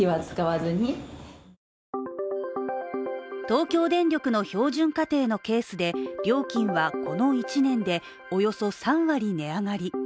東京電力の標準家庭のケースで、料金はこの１年でおよそ３割値上がり。